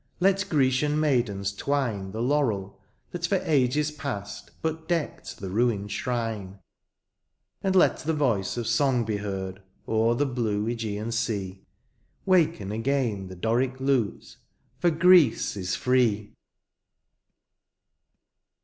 Let Grecian maidens twine The laurel, that for ages past But decked the ruined shrine. And let the voice of song be heard O^er the blue iEgean sea; Waken again the Doric lute. For Greece is free